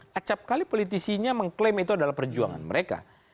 setiap kali politisinya mengklaim itu adalah perjuangan mereka